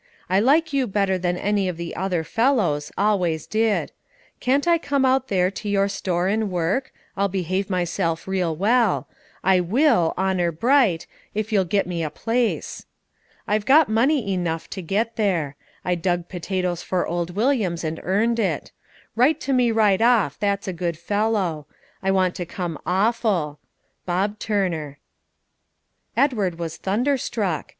I like you better than any of the other felows, always did. Can't I com out there to your store and work, I'll behave myself reel wel; I will, honour bright, if you'll git me a place. I've got money enuff to get there. I dug potatoes for old Williams and earned it. Rite to me rite off that's a good fellow. I want to com awful. BOB TURNER." Edward was thunderstruck!